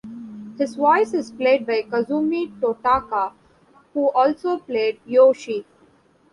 His voice is played by Kazumi Totaka, who also played Yoshi.